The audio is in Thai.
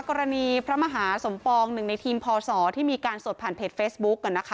พระมหาสมปองหนึ่งในทีมพศที่มีการสดผ่านเพจเฟซบุ๊ก